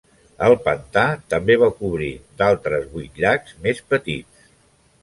El pantà també va cobrir d'altres vuit llacs més petits.